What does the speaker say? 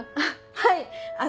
はい！